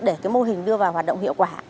để mô hình đưa vào hoạt động hiệu quả